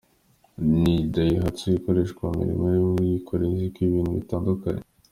Ni Daihatsu, ikoreshwa mu mirimo y’ubwikorezi bw’ibintu bitandukanye.